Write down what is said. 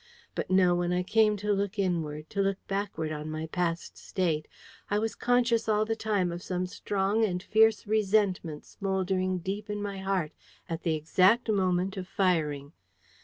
But no; when I came to look inward, to look backward on my past state, I was conscious all the time of some strong and fierce resentment smouldering deep in my heart at the exact moment of firing.